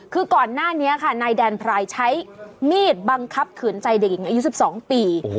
คือก่อนหน้านี้ค่ะนายแดนพรายใช้มีดบังคับขืนใจเด็กหญิงอายุ๑๒ปี